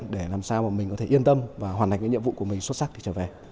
để làm sao mà mình có thể yên tâm và hoàn thành cái nhiệm vụ của mình xuất sắc thì trở về